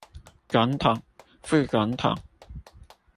總統、副總統